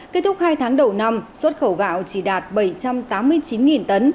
kết thúc hai tháng đầu năm xuất khẩu gạo chỉ đạt bảy trăm tám mươi chín tấn